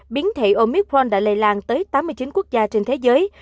biến thể omithfron đã lây lan tới tám mươi chín quốc gia trên thế giới